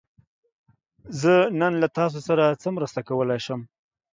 زه نن له تاسو سره څه مرسته کولی شم؟